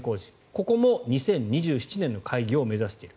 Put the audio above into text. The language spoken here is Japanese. ここも２０２７年の開業を目指してる。